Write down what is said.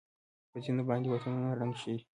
په ځېنو باندې وطنونه ړنګ شي.